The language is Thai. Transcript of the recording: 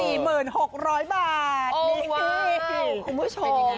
โอ้ว้าวคุณผู้ชม